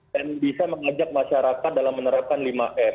dan bisa mengajak masyarakat dalam menerapkan lima m